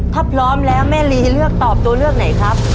ถ้าพร้อมแล้วแม่ลีเลือกตอบตัวเลือกไหนครับ